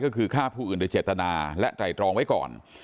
ก็คือฆ่าผู้อื่นโดยเจตนาและไตรตรองไว้ก่อน